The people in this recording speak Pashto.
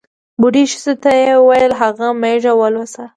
بوډۍ ښځې ته یې ووېل هغه مېږه ولوسه.